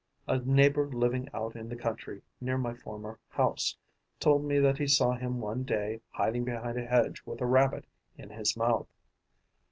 A neighbour living out in the country, near my former house, told me that he saw him one day hiding behind a hedge with a rabbit in his mouth.